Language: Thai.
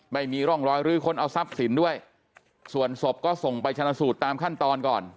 ไม่มีร่องรอยลื้อค้นเอาทรัพย์สินด้วยส่วนศพก็ส่งไปชนะสูตรตามขั้นตอนก่อน